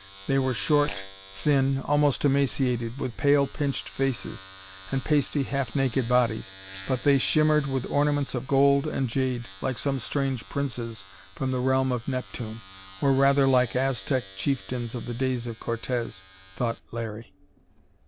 They were short, thin, almost emaciated, with pale, pinched faces and pasty, half naked bodies. But they shimmered with ornaments of gold and jade, like some strange princes from the realm of Neptune or rather, like Aztec chieftains of the days of Cortes, thought Larry.